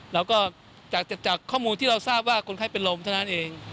แล้วก็จากข้อมูลที่เราทราบว่าคนไข้เป็นลมเท่านั้นเอง